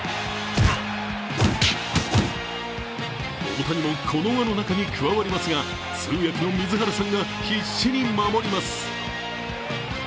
大谷もこの輪の中に加わりますが通訳の水原さんが必死に守ります。